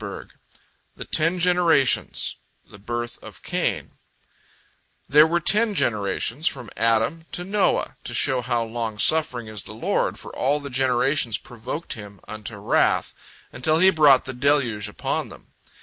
" III THE TEN GENERATIONS THE BIRTH OF CAIN There were ten generations from Adam to Noah, to show how long suffering is the Lord, for all the generations provoked Him unto wrath, until He brought the deluge upon them.